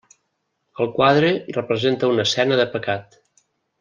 El quadre representa una escena de pecat.